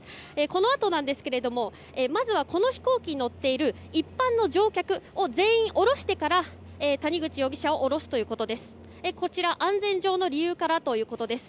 このあとなんですがまずは、この飛行機に乗っている一般の乗客を全員降ろしてから谷口容疑者を降ろすということです。